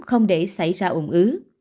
không để xảy ra ủng ứ